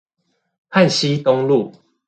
旱溪東路